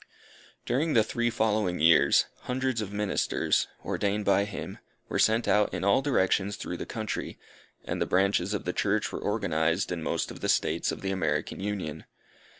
During the three following years, hundreds of ministers, ordained by him, were sent out in all directions through the country, and Branches of the Church were organized in most of the States of the American Union.